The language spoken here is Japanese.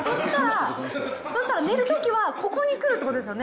そしたら、寝るときは、ここにくるってことですよね。